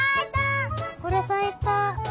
これさいた。